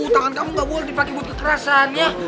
tangan kamu gak boleh dipake buat kekerasannya